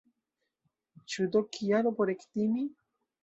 Ĉu do kialo por ektimi?